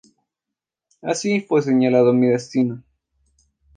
Así fue señalado mi destino.